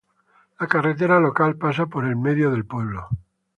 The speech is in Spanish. La carretera local pasa por el medio del pueblo.